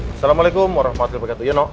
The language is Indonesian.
assalamualaikum warahmatullahi wabarakatuh yono